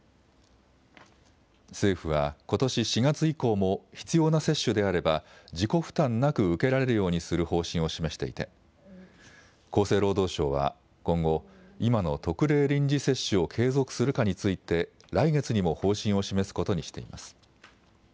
政府は、ことし４月以降も、必要な接種であれば、自己負担なく受けられるようにする方針を示していて、厚生労働省は今後、今の特例臨時接種を継続するかについて、来月にも方針を示すことにしています。